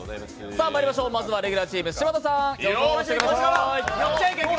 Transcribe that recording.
まいりましょう、まずはレギュラーチーム、柴田さん。